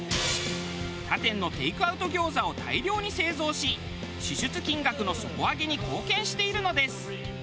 他店のテイクアウト餃子を大量に製造し支出金額の底上げに貢献しているのです。